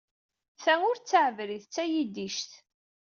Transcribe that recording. Ta ur d taɛebrit. D tayiddict.